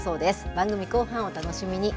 番組後半、お楽しみに。